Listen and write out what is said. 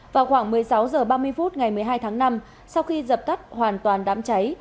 vào khoảng một mươi sáu h ba mươi phút ngày một mươi hai tháng năm sau khi dập tắt hoàn toàn đám cháy